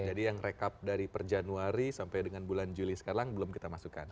jadi yang rekap dari per januari sampai dengan bulan juli sekarang belum kita masukkan